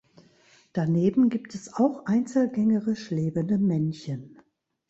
Daneben gibt es auch einzelgängerisch lebende Männchen.